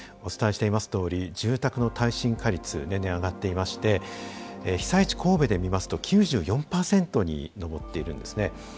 お伝えしていますとおり住宅の耐震化率年々上がっていまして被災地神戸で見ますと９４％に上っているんですね。